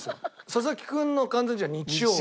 佐々木君の完全試合日曜日。